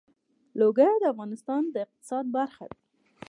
لوگر د افغانستان د اقتصاد برخه ده.